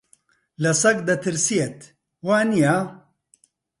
لە سەگ دەترسێت، وانییە؟